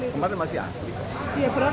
kemarin masih asli pak